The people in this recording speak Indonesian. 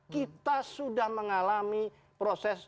kita sudah mengalami proses